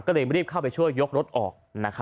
ก็เลยรีบเข้าไปช่วยยกรถออก